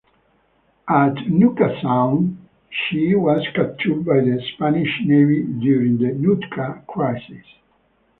At Nootka Sound she was captured by the Spanish Navy during the Nootka Crisis.